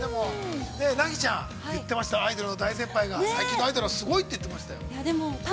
ナギちゃん言ってましたアイドルの大先輩が最近のアイドルはすごいって言っていましたよ。